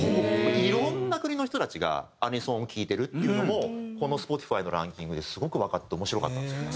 いろんな国の人たちがアニソンを聴いてるっていうのもこのＳｐｏｔｉｆｙのランキングですごくわかって面白かったんですよね。